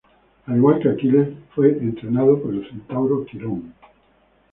Al igual que Aquiles, fue entrenado por el centauro Quirón.